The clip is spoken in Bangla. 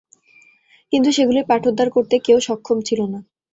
কিন্তু সেগুলির পাঠোদ্ধার করতে কেউ সক্ষম ছিল না।